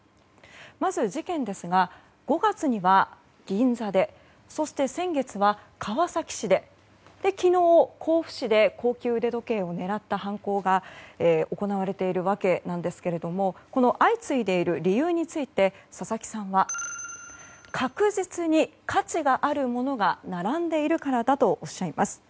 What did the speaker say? まず、事件ですが５月には銀座でそして、先月は川崎市で昨日、甲府市で高級腕時計を狙った犯行が行われているわけなんですが相次いでいる理由について佐々木さんは確実に価値があるものが並んでいるからだとおっしゃいます。